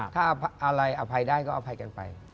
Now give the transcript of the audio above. ถ้าอะไรอภัยได้ก็อภัยกันไป